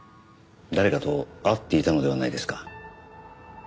誰かと会っていたのではないですか？